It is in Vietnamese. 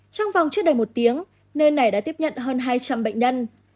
trong vòng chưa đầy một tiếng nơi này đã tiếp nhận hơn hai trăm linh bệnh nhân